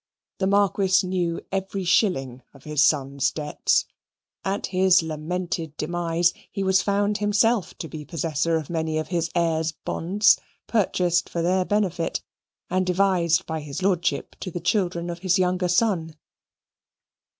The Marquis knew every shilling of his son's debts. At his lamented demise, he was found himself to be possessor of many of his heir's bonds, purchased for their benefit, and devised by his Lordship to the children of his younger son.